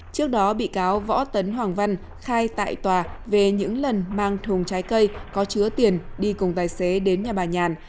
trước đó bị cáo võ tấn hoàng văn khai tại tòa về những lần mang thùng trái cây có chứa tiền đi cùng tài xế đến nhà bà nhàn